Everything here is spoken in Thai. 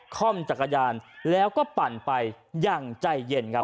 ค่อมจักรยานแล้วก็ปั่นไปอย่างใจเย็นครับ